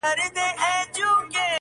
o زما مرور فکر به څه لفظونه وشرنگوي.